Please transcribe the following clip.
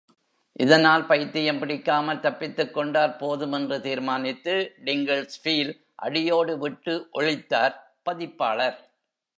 இதனால் பைத்தியம் பிடிக்காமல் தப்பித்துக் கொண்டால் போதும் என்று தீர்மானித்து டிங்கிள்ஸ் பீல் அடியோடு விட்டு ஒழித்தார் பதிப்பாளர்.